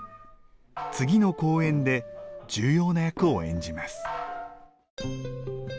次の公演で重要な役を演じます。